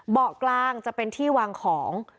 เบาะกลางจะเป็นที่วางของ